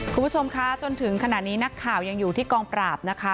คุณผู้ชมคะจนถึงขณะนี้นักข่าวยังอยู่ที่กองปราบนะคะ